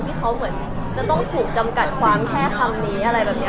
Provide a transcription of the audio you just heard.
ที่เขาเหมือนจะต้องถูกจำกัดความแค่คำนี้อะไรแบบนี้